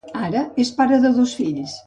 Ara, és pare de dos fills.